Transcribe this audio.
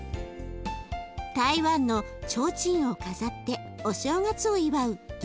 台湾のちょうちんを飾ってお正月を祝う元宵節。